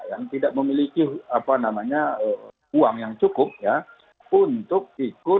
yang tidak memiliki uang yang cukup ya untuk ikut